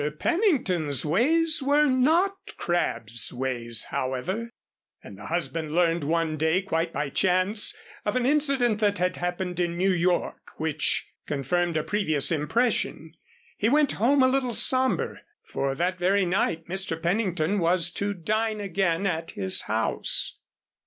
Pennington's ways were not Crabb's ways, however, and the husband learned one day, quite by chance, of an incident that had happened in New York which confirmed a previous impression. He went home a little sombre, for that very night Mr. Pennington was to dine again at his house.